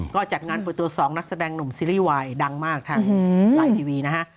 ก็จัดงานเปิดตัว๒นักแสดงหนุ่มซีรีส์วายดังมากทางไลน์ทีวีนะฮะ